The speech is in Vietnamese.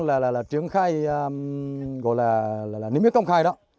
là triển khai gọi là niêm yết công khai đó